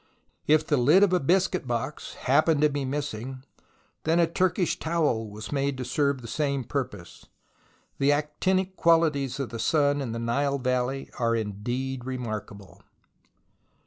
If the lid of a biscuit box happened to be missing, then a turkish towel was made to serve the same purpose. The actinic qualities of the sun in the Nile valley are indeed remarkable.